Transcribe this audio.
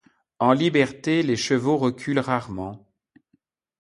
En liberté les chevaux reculent rarement.